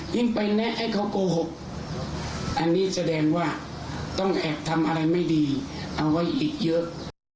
ยิ่งไปแนะให้เขาโกหกอันนี้แสดงว่าต้องแอบทำอะไรไม่ดีเอาไว้อีกเยอะ